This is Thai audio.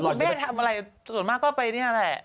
หล่อนอย่าไปคุณเบนทำอะไรส่วนมากก็ไปนี่แหละ